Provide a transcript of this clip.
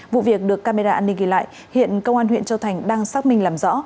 vụ việc được camera an ninh ghi lại hiện công an huyện châu thành đang xác minh làm rõ